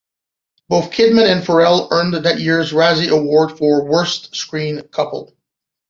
Both Kidman and Ferrell earned that year's Razzie Award for "Worst Screen Couple".